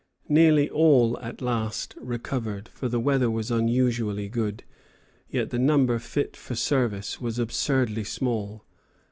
_] Nearly all at last recovered, for the weather was unusually good; yet the number fit for service was absurdly small.